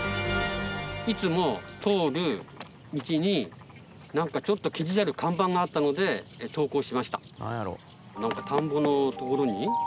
いつも通る道になんかちょっと気になる看板があったので投稿しました。